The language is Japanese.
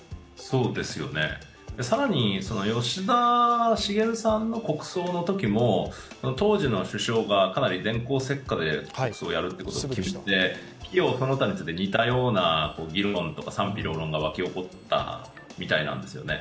更に吉田茂さんの国葬のときも当時の首相がかなり電光石火でやることを決めて費用その他について似たような議論とか、賛否両論が沸き起こったみたいなんですよね。